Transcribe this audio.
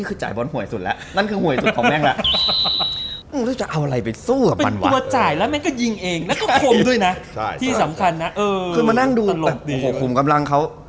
คือมานั่งดูแบบโอ้โหคุมกำลังเขา